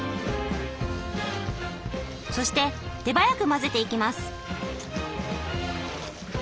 そして手早く混ぜていきます。